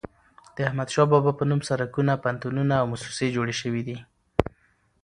د احمد شاه بابا په نوم سړکونه، پوهنتونونه او موسسې جوړي سوي دي.